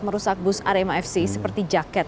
merusak bus rmfc seperti jaket